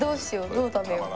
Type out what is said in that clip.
どう食べよう。